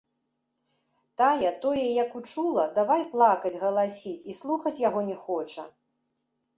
Тая тое як учула, давай плакаць, галасіць і слухаць яго не хоча.